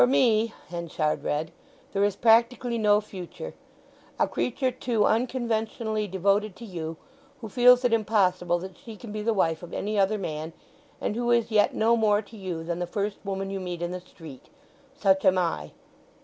"'For me,'" Henchard read, "'there is practically no future. A creature too unconventionally devoted to you—who feels it impossible that she can be the wife of any other man; and who is yet no more to you than the first woman you meet in the street—such am I.